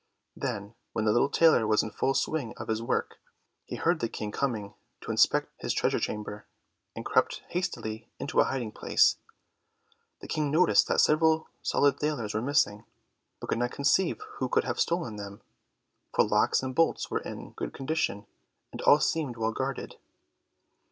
When the little tailor was in the full swing of his work, he heard the King coming to inspect his treasure chamber, and crept hastily into a hiding place. The King noticed that several solid thalers were missing, but could not conceive who could have stolen them, for locks and bolts were in good condition, and all seemed well guarded.